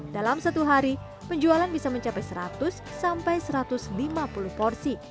dalam satu hari penjualan bisa mencapai seratus sampai satu ratus lima puluh porsi